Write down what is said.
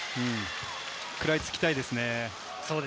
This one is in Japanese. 食らいつきたいですね。